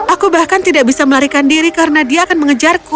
aku bahkan tidak bisa melarikan diri karena dia akan mengejarku